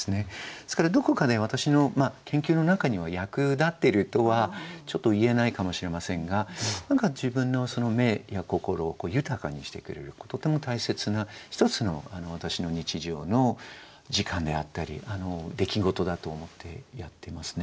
ですからどこかで私の研究の中には役立ってるとはちょっと言えないかもしれませんが何か自分の目や心を豊かにしてくれるとても大切な一つの私の日常の時間であったり出来事だと思ってやってますね。